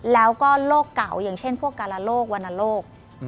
แล้วก็โรคเก่าอย่างเช่นพวกกาลโลกวรรณโรค